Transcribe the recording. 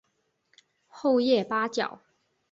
厚叶八角